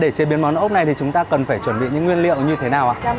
để chế biến món ốc này thì chúng ta cần phải chuẩn bị những nguyên liệu như thế nào ạ